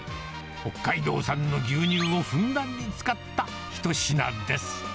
北海道産の牛乳をふんだんに使った一品です。